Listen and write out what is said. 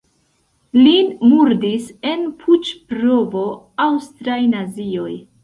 Lin murdis en puĉ-provo aŭstraj nazioj.